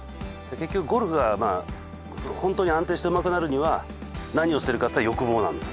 結局ゴルフはまあ本当に安定してうまくなるには何を捨てるかって言ったら欲望なんです。